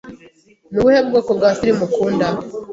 Ni ubuhe bwoko bwa firime ukunda?